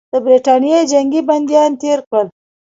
د برټانیې جنګي بندیان تېر کړل.